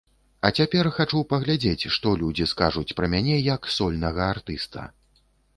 А цяпер хачу паглядзець, што людзі скажуць пра мяне як сольнага артыста.